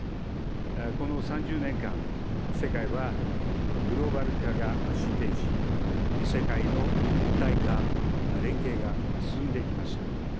この３０年間、世界はグローバル化が進展し、世界の一体化、連携が進んできました。